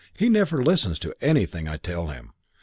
He never listens to anything I tell him."